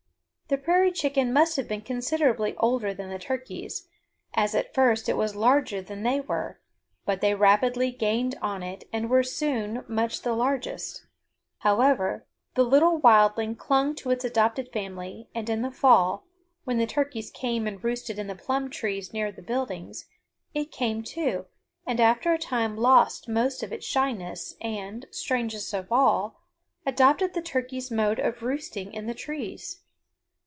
The prairie chicken must have been considerably older than the turkeys, as at first it was larger than they were, but they rapidly gained on it and were soon much the largest. However, the little wildling clung to its adopted family and in the fall, when the turkeys came and roosted in the plum trees near the buildings, it came too and after a time lost most of its shyness and, strangest of all, adopted the turkeys' mode of roosting in the trees.